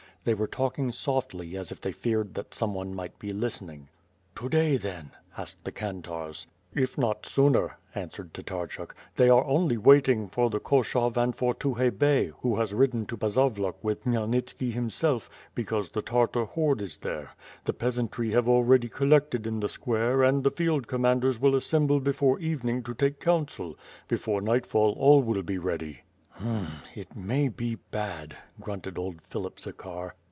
They were talking softly, as if they feared that someone might be listening. "To day, then?" asked the kantarz. "If not sooner," answered Tatarchuk, "they are only wait ing for the Koshov and for Tukhay Bey, who has ridden to Bazavluk with Khmyelnitski himself, because the Tartar horde is there. The peasantry have already collected in the square and the field commanders will assemble before even ing to take counsel. Before night fall all will be ready/' "H'm — it may be bad," grunted old Philip Zakhar.